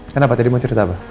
kenapa pak jadi mau cerita apa